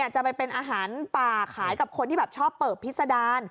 จะไปเป็นอาหารป่าขายกับคนที่แบบชอบเปิบพิษดาร